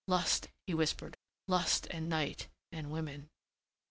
"Lust," he whispered, "lust and night and women."